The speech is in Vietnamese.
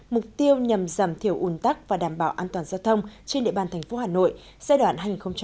mục tiêu nhằm giảm thiểu ủn tắc và đảm bảo an toàn giao thông trên địa bàn thành phố hà nội giai đoạn hai nghìn một mươi sáu hai nghìn hai mươi